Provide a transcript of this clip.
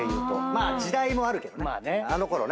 まあ時代もあるけどね。